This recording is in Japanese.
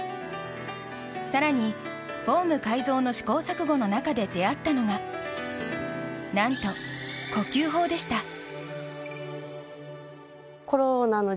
更に、フォーム改造の試行錯誤の中で出会ったのが何と、呼吸法でした。